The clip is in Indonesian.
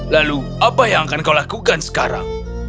lalu apa yang akan kau lakukan sekarang